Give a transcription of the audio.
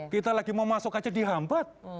kita lagi mau masuk aja di hambat